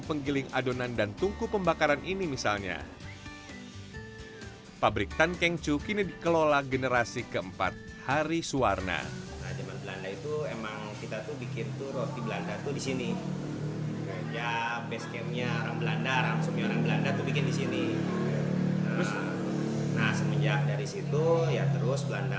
pada saat saya masih teenager masih remaja